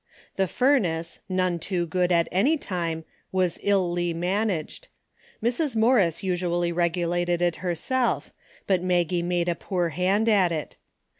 The furnace, none too good at any time, was illy managed. Mrs. Morris usually regulated it herself, but Maggie made a poor hand at it.